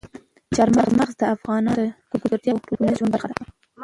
چار مغز د افغانانو د ګټورتیا او ټولنیز ژوند برخه ده.